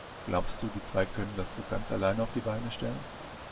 Glaubst du, die zwei können das so ganz alleine auf die Beine stellen?